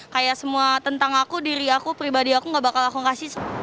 kayak semua tentang aku diri aku pribadi aku gak bakal aku kasih